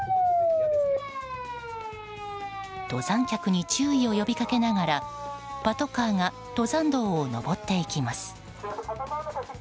登山客に注意を呼びかけながらパトカーが登山道を登っていきます。